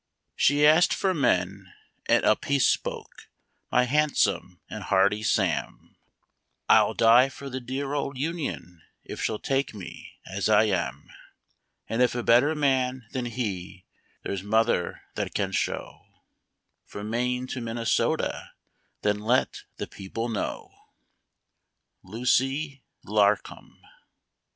She asked for men, and viphe spoke, my handsome and hearty Sam, " I'll die for the dear old Union, if she'll take me as I am ": And if a better man than he there's mother that can show, From Maine to Minnesota, then let the people know. Lucy Larcom.